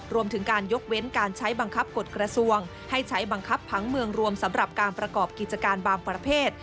รวมถึงการยกเว้นการใช้บังคับกฎกระทรวงให้ใช้บังคับผังเมืองรวมสำหรับการประกอบกิจการบางประเภท